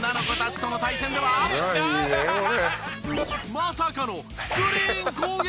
まさかのスクリーン攻撃で。